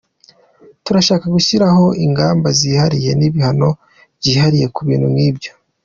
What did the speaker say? Turashaka gushyiraho ingamba zihariye n’ibihano byihariye ku bintu nkibyo.